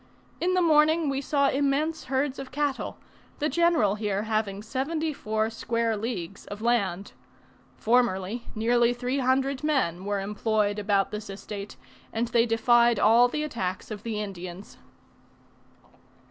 In the morning we saw immense herds of cattle, the general here having seventy four square leagues of land. Formerly nearly three hundred men were employed about this estate, and they defied all the attacks of the Indians.